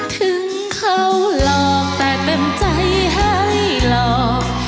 ถึงเขาหลอกแต่เต็มใจให้หลอก